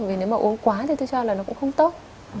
vì nếu mà uống quá thì tôi cho là nó cũng không tốt